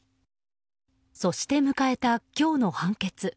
そして迎えた今日の判決。